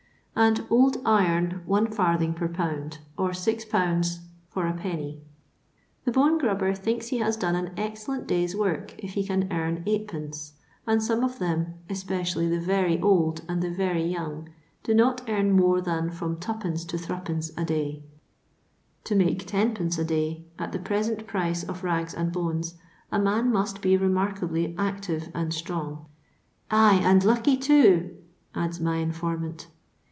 and old iron one farthing per pound, or six pounds for 1(^. The bone grubber thinks he has done an excellent day's work if he can earn 8cZ.; nnd some of them, especially the very old and the very young, do not earn more than from 2d. to Zd. a day. To make \0d, a day, at the present price of rags and bones, a man must be remark ably active and strong, —" ay ! and lucky, too," adds my informant.